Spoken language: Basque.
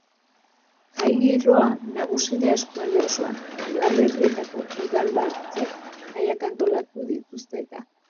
Jai giroa nagusi da eskualde osoan, udalerrietako udalbatzek jaiak antolatu dituzte eta.